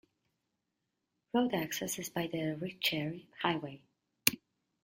Road access is by the Riccheri Highway.